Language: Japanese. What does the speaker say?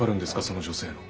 その女性の。